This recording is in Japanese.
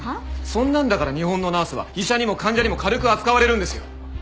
そんなんだから日本のナースは医者にも患者にも軽く扱われるんですよ！